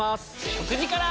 食事から。